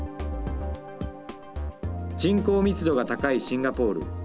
人口密度が高いシンガポール。